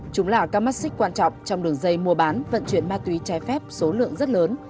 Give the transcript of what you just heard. chúng là các mắt xích quan trọng trong đường dây mua bán vận chuyển ma túy trái phép số lượng rất lớn